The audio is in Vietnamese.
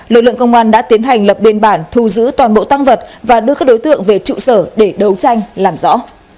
lực lượng công an đã tiến hành lập biên bản thu giữ toàn bộ tăng vật và đưa các đối tượng về trụ sở để đấu tranh làm rõ